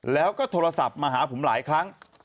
แล้วก็โทรศัพท์มาหาผมหลายครั้ง